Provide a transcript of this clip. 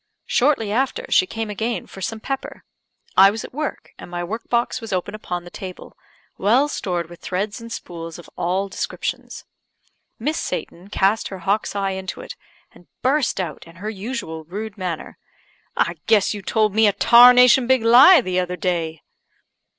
Shortly after she came again for some pepper. I was at work, and my work box was open upon the table, well stored with threads and spools of all descriptions. Miss Satan cast her hawk's eye into it, and burst out in her usual rude manner "I guess you told me a tarnation big lie the other day."